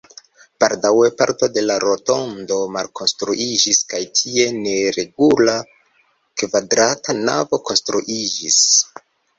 Baldaŭe parto de la rotondo malkonstruiĝis kaj tie neregula kvadrata navo konstruiĝis.